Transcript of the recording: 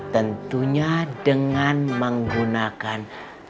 tentunya dengan menggunakan